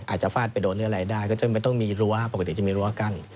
อาจจะฝาดไปโดนอะไรได้ก็ไม่ต้องมีรั้วปกติจะมีรั้วกั้น